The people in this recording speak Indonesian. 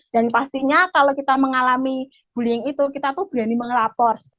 dan pastinya kalau kita mengalami bullying itu kita tuh berani mengelapor